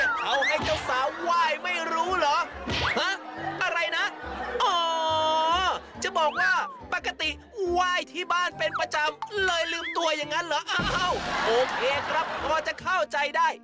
โอเคครับบ่าวจะเข้าใจได้